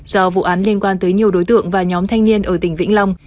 do vụ án liên quan tới nhiều đối tượng và nhóm thanh niên ở tỉnh vĩnh long